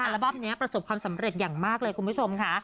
บั้มนี้ประสบความสำเร็จอย่างมากเลยคุณผู้ชมค่ะ